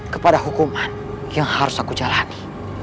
kepada hukuman yang harus aku jalani